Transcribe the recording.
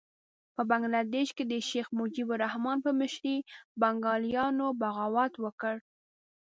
په بنګه دېش کې د شیخ مجیب الرحمن په مشرۍ بنګالیانو بغاوت وکړ.